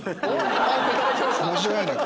間違いなく。